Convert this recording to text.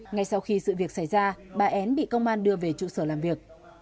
ngay sau khi sự việc xảy ra bà en bị công an đưa về trụ sở làm việc